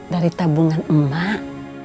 dari tabungan emak